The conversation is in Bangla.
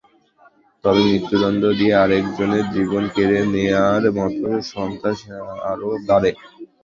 তবে মৃত্যুদণ্ড দিয়ে আরেকজনের জীবন কেড়ে নেওয়ার মাধ্যমে সন্ত্রাস আরও বাড়ে।